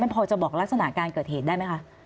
พอจะบอกลักษณะการเกิดเหตุได้ไหมคะ